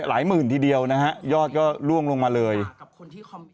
แอรี่แอรี่แอรี่แอรี่